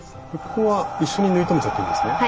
ここは一緒に縫い留めちゃっていいんですね？